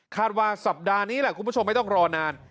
ว่าสัปดาห์นี้แหละคุณผู้ชมไม่ต้องรอนาน